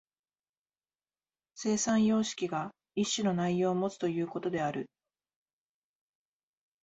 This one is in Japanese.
生産様式が一種の内容をもつということである。